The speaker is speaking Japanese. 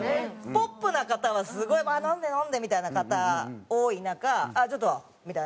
ポップな方はすごい「まあ飲んで飲んで」みたいな方多い中「あっちょっと」みたいな。